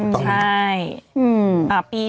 ใช่